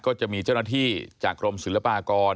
ก็จะมีเจ้าหน้าที่จากกรมศิลปากร